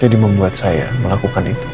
jadi membuat saya melakukan itu